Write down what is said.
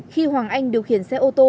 khi hoàng anh điều khiển xe ô tô